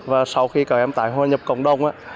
và sau khi các em tái hòa nhập cộng đồng